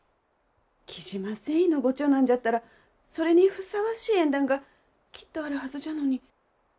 雉真繊維のご長男じゃったらそれにふさわしい縁談がきっとあるはずじゃのに。